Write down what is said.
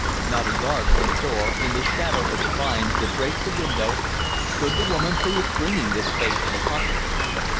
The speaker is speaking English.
Not a yard from the door, in the shadow of the vines that draped the window, stood the woman who was bringing this fate upon me.